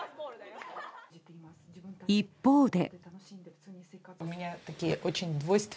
一方で。